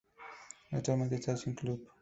Actualmente esta Sin Club.